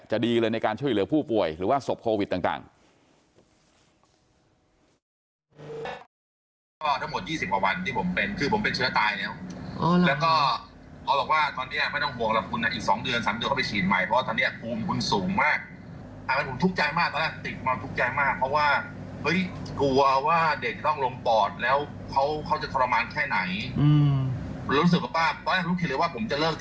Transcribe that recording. ดีเลยในการช่วยเหลือผู้ป่วยหรือว่าศพโควิดต่าง